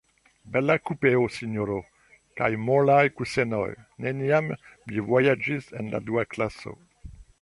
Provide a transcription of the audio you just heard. Bela kupeo, sinjoro, kaj molaj kusenoj; neniam mi vojaĝis en la dua klaso.